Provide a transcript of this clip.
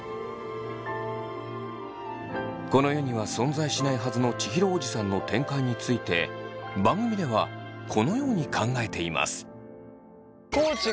この世には存在しないはずの千尋おじさんの展開について番組ではこのように考えています。